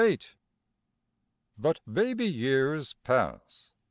VIII But baby years pass.